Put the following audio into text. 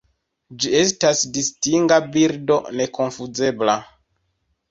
Ĝi estas distinga birdo nekonfuzebla.